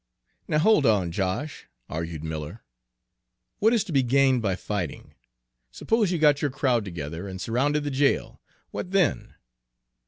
"Now hold on, Josh," argued Miller; "what is to be gained by fighting? Suppose you got your crowd together and surrounded the jail, what then?"